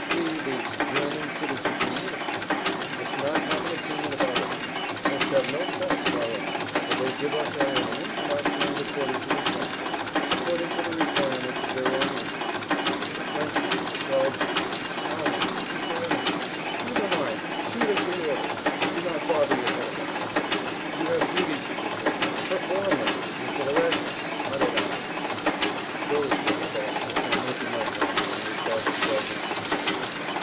We, the "German citizens in uniform," must not have an opinion of our own, must have no thoughts of our own, for they give us our enemy and our friend according to requirements, according to the requirements of their own interests. The Frenchman, the Belgian, the Italian, is your enemy. Never mind, shoot as we order, and do not bother your head about it. You have duties to perform, perform them, and for the rest—cut it out! [Pg 6]Those were the thoughts that tormented my brain when crossing the Belgian frontier.